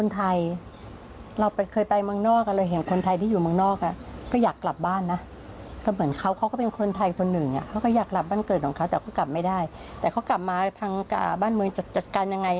แต่เขากลับไม่ได้แต่เขากลับมาทางบ้านเมืองจะจัดการยังไง